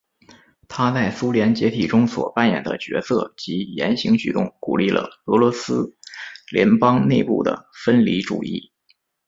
他在苏联解体中所扮演的角色及言行举动鼓励了俄罗斯联邦内部的分离主义。